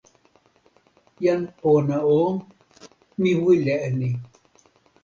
jan pona o, mi wile e ni.